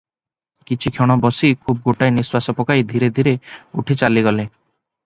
କିଛିକ୍ଷଣ ବସି ଖୁବ୍ ଗୋଟାଏ ନିଶ୍ୱାସ ପକାଇ ଧୀରେ ଧୀରେ ଉଠି ଚାଲିଗଲେ ।